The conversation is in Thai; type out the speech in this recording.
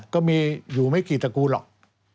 ก็มีอยู่ไม่กี่ตระกูลหรอก